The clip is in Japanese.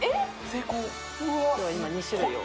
今、２種類を。